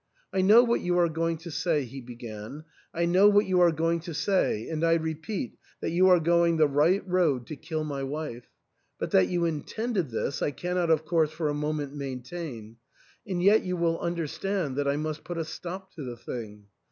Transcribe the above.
" I know what you are going to say," he began, '^I know what you are going to say, and I repeat that you are going the right road to kill my wife. But that you intended this I cannot of course for a moment maintain ; and yet you will understand that I must put a stop to the thing.